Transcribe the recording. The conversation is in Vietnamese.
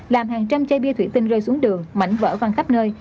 làm hàng trăm chai bia thủy tinh rơi xuống đường mảnh vỡ văn khắp nơi